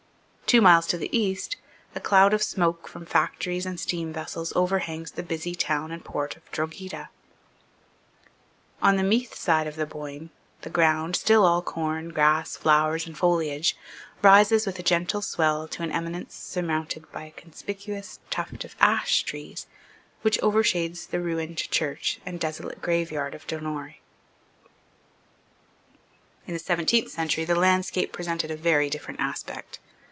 Two miles to the east, a cloud of smoke from factories and steam vessels overhangs the busy town and port of Drogheda. On the Meath side of the Boyne, the ground, still all corn, grass, flowers, and foliage, rises with a gentle swell to an eminence surmounted by a conspicuous tuft of ash trees which overshades the ruined church and desolate graveyard of Donore, In the seventeenth century the landscape presented a very different aspect.